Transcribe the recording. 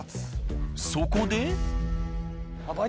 そこで。